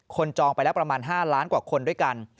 จองไปแล้วประมาณ๕ล้านกว่าคนด้วยกัน